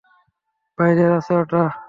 বাইরেই আছে ওটা।